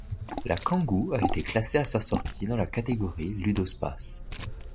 La Kangoo a été classée à sa sortie dans la catégorie ludospace.